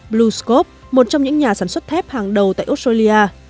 bluescov một trong những nhà sản xuất thép hàng đầu tại australia